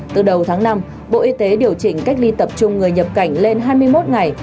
từ đầu tháng năm bộ y tế điều chỉnh cách ly tập trung người nhập cảnh lên hai mươi một ngày